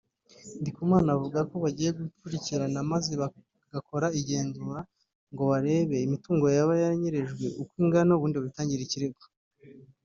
Ndikubwimana avuga ko bagiye gukurikirana maze bagakora igenzura ngo barebe imitungo yaba yaranyerejwe uko ingana ubundi babitangire ikirego